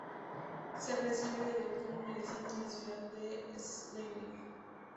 Se recibe de doctor en medicina en la ciudad de Schleswig.